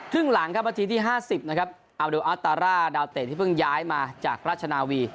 ครึ่งหลังครับวันที่ที่๕๐นะครับเอาดูอัลตาร่าดาวเตะที่เพิ่งย้ายมาจากราชนาวี